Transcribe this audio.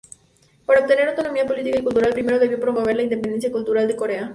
Para obtener autonomía política y cultural, primero debió promover la independencia cultural de Corea.